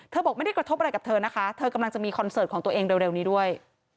บอกไม่ได้กระทบอะไรกับเธอนะคะเธอกำลังจะมีคอนเสิร์ตของตัวเองเร็วนี้ด้วย